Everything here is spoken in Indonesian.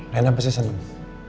rena pasti seneng